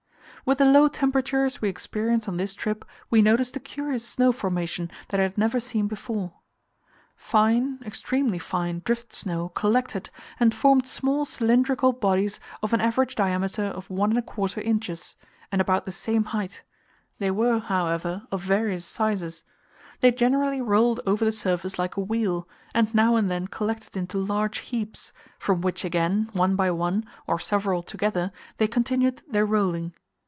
With the low temperatures we experienced on this trip, we noticed a curious snow formation that I had never seen before. Fine extremely fine drift snow collected, and formed small cylindrical bodies of an average diameter of 1 1/4 inches, and about the same height; they were, however, of various sizes. They generally rolled over the surface like a wheel, and now and then collected into large heaps, from which again, one by one, or several together, they continued their rolling.